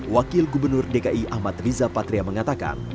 wakil gubernur dki ahmad riza patria mengatakan